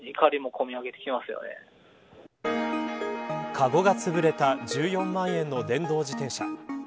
かごが潰れた１４万円の電動自転車。